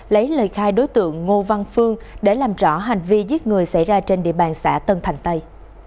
lấy lời khai đối tượng ngô văn phương để làm rõ hành vi giết người xảy ra trên địa bàn xã tân thành tây